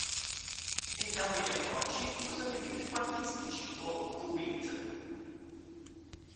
Entrambi gli approcci usano i bit quantistici o qubit.